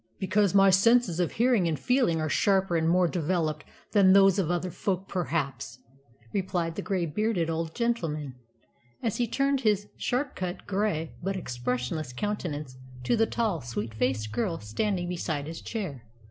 "Because my senses of hearing and feeling are sharper and more developed than those of other folk perhaps," replied the grey bearded old gentleman, as he turned his sharp cut, grey, but expressionless countenance to the tall, sweet faced girl standing beside his chair.